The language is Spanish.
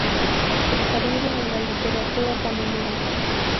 El Caribe en la literatura panameña.